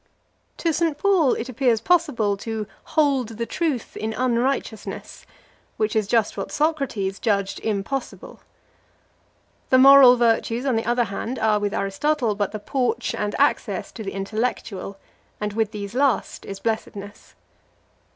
To St. Paul it appears possible to "hold the truth in unrighteousness,"+ which is just what Socrates judged impossible. The moral virtues, on the other hand, are with Aristotle but the porch and access to the intellectual, and with these last is blessedness.